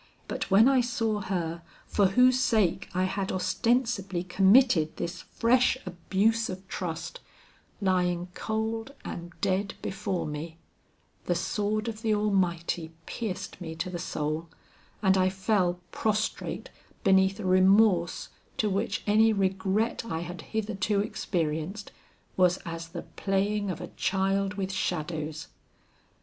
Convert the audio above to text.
But when I saw her for whose sake I had ostensibly committed this fresh abuse of trust, lying cold and dead before me, the sword of the Almighty pierced me to the soul, and I fell prostrate beneath a remorse to which any regret I had hitherto experienced, was as the playing of a child with shadows.